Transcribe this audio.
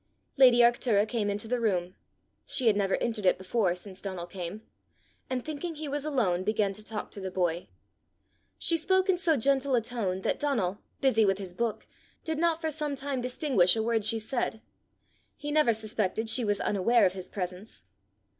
Lady Arctura came into the room she had never entered it before since Donal came and thinking he was alone, began to talk to the boy. She spoke in so gentle a tone that Donal, busy with his book, did not for some time distinguish a word she said. He never suspected she was unaware of his presence.